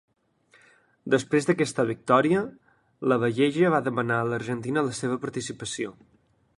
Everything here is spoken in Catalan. Després d'aquesta victòria, Lavalleja va demanar a l'Argentina la seva participació.